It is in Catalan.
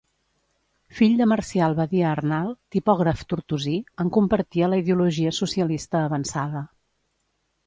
Fill de Marcial Badia Arnal, tipògraf tortosí, en compartia la ideologia socialista avançada.